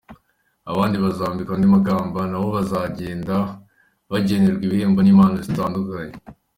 Abandi bazambikwa andi makamba, nabo bazagenda bagenerwa ibihembo n’impano zitandukanye.